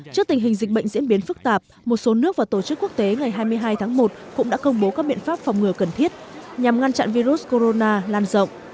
trước tình hình dịch bệnh diễn biến phức tạp một số nước và tổ chức quốc tế ngày hai mươi hai tháng một cũng đã công bố các biện pháp phòng ngừa cần thiết nhằm ngăn chặn virus corona lan rộng